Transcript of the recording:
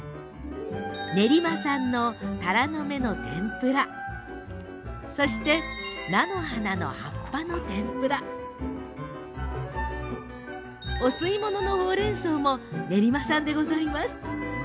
練馬産のたらの芽の天ぷら菜の花の葉っぱの天ぷらお吸い物のほうれんそうも練馬産でございます。